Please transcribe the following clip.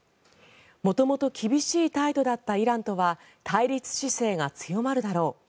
元々厳しい態度だったイランとは対立姿勢が強まるだろう。